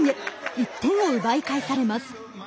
１点を奪い返されます。